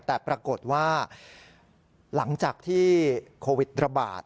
แต่ปรากฏว่าหลังจากที่โควิดระบาด